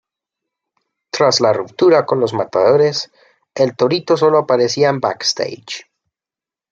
Tras la ruptura con los Matadores, El Torito sólo aparecía en backstage.